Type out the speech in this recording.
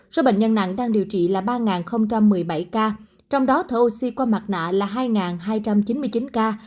số bệnh nhân nặng đang điều trị là ba một mươi bảy ca trong đó thở oxy qua mặt nạ là hai hai trăm chín mươi chín ca